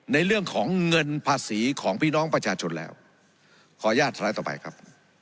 ในเรื่องของเงินภาษีของพี่น้องประชาชนแล้วขออนุญาตสไลด์ต่อไปครับ